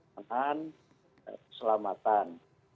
penahan dan keselamatan